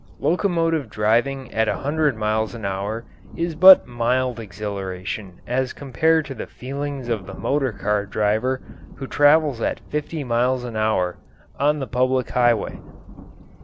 Locomotive driving at a hundred miles an hour is but mild exhilaration as compared to the feelings of the motor car driver who travels at fifty miles an hour on the public highway.